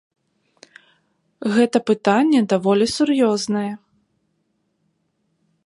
Гэта пытанне даволі сур'ёзнае.